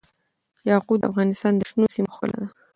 یاقوت د افغانستان د شنو سیمو ښکلا ده.